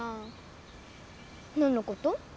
何のこと？